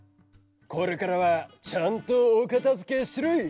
これからはちゃんとおかたづけしろい！